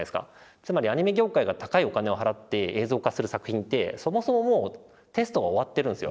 つまりアニメ業界が高いお金を払って映像化する作品ってそもそもテストが終わってるんですよ。